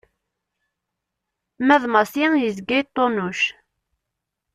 Ma d Massi yezga yeṭṭunuc.